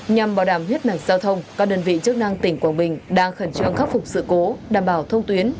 nhằm bảo đảm huyết nặng giao thông các đơn vị chức năng tỉnh quảng bình đang khẩn trương khắc phục sự cố đảm bảo thông tuyến